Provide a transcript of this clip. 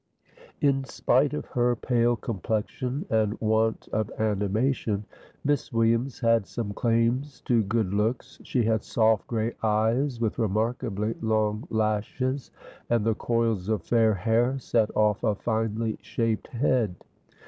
In spite of her pale complexion and want of animation, Miss Williams had some claims to good looks. She had soft grey eyes, with remarkably long lashes, and the coils of fair hair set off a finely shaped head.